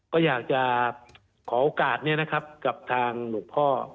ก็อยากจะขอโอกาสนี้นะครับกับทางหลวงพ่อ